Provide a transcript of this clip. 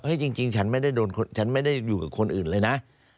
เฮ้ยจริงฉันไม่ได้อยู่กับคนอื่นเลยนะ